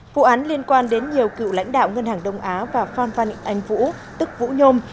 vụ án liên quan đến nhiều cựu lãnh đạo ngân hàng đông á và phan phan anh vũ tức vũ nhôm